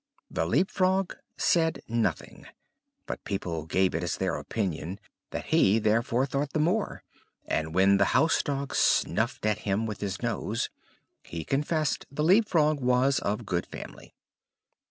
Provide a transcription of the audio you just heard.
The Leap frog said nothing; but people gave it as their opinion, that he therefore thought the more; and when the housedog snuffed at him with his nose, he confessed the Leap frog was of good family.